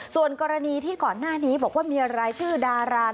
ส่วนกรณีที่ก่อนหน้านี้บอกว่ามีรายชื่อดารา